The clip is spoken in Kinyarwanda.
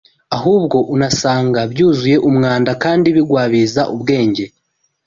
ahubwo unasanga byuzuye umwanda kandi bigwabiza ubwenge